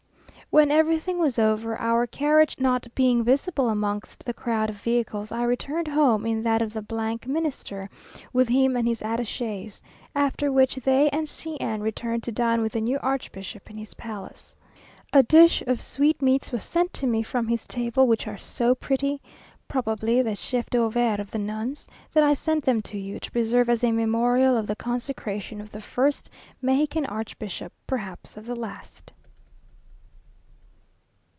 When everything was over, our carriage not being visible amongst the crowd of vehicles, I returned home in that of the Minister, with him and his attaches; after which, they and C n returned to dine with the new archbishop in his palace. A dish of sweetmeats was sent me from his table, which are so pretty, (probably the chef d'oeuvre of the nuns,) that I send them to you, to preserve as a memorial of the consecration of the first Mexican archbishop perhaps of the last!